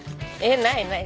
ないない。